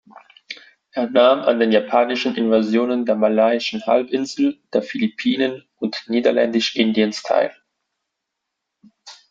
Er nahm an den japanischen Invasionen der Malaiischen Halbinsel, der Philippinen und Niederländisch-Indiens teil.